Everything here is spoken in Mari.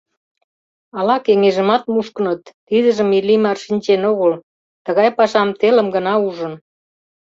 Ала кеҥежымат мушкыныт, тидыжым Иллимар шинчен огыл, тыгай пашам телым гына ужын.